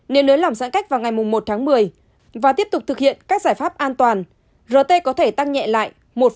nếu nới lỏng giãn cách vào ngày một tháng một mươi và tiếp tục thực hiện các giải pháp an toàn rt có thể tăng nhẹ lại